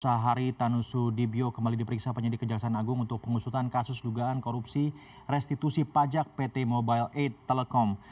sahari tanusu dibyo kembali diperiksa penyidik kejaksaan agung untuk pengusutan kasus dugaan korupsi restitusi pajak pt mobile aid telekom